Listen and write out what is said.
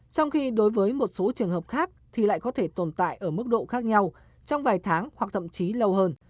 trong khi đối với một số trường hợp khác thì lại có thể tồn tại ở mức độ khác nhau trong vài tháng hoặc thậm chí lâu hơn